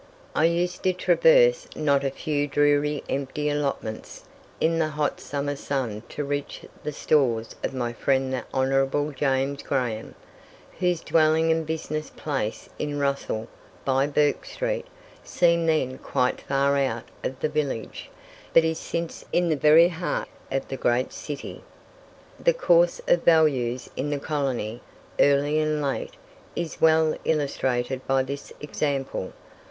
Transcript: I used to traverse not a few dreary empty allotments in the hot summer sun to reach the stores of my friend the Honourable James Graham, whose dwelling and business place in Russell, by Bourke street, seemed then quite far out of the village, but is since in the very heart of the great city. The course of values in the colony, early and late, is well illustrated by this example.